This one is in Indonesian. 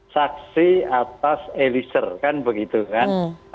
saksi atas eliezer kan begitu kan